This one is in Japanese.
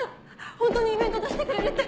ホントにイベント出してくれるって。